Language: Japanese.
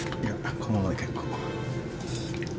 このままで結構。